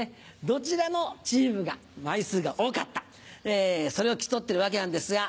どちらのチームが枚数が多かったそれを競ってるわけなんですが。